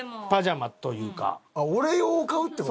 俺用を買うって事？